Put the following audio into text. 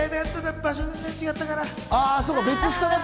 場所が全然違ったから。